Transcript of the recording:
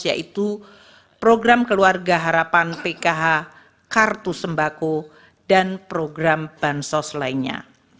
yaitu program keluarga harapan pkh kartu sembako dan program bansos lainnya